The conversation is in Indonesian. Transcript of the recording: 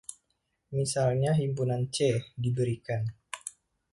Misalnya himpunan "C" diberikan.